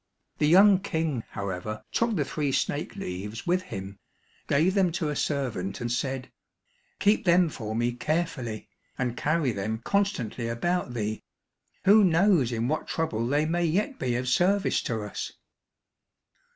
The young King, however, took the three snake leaves with him, gave them to a servant and said, "Keep them for me carefully, and carry them constantly about thee; who knows in what trouble they may yet be of service to us!"